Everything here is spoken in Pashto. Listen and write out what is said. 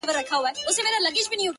ستا د شعر دنيا يې خوښـه سـوېده؛